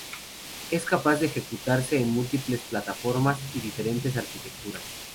Es capaz de ejecutarse en múltiples plataformas y diferentes arquitecturas.